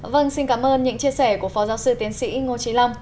vâng xin cảm ơn những chia sẻ của phó giáo sư tiến sĩ ngô trí long